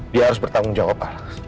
dia harus bertanggung jawab